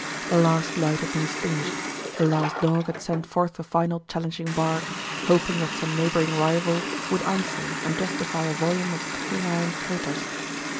The last light had been extinguished, the last dog had sent forth a final challenging bark, hoping that some neighbouring rival would answer and justify a volume of canine protest.